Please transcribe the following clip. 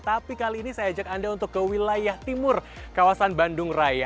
tapi kali ini saya ajak anda untuk ke wilayah timur kawasan bandung raya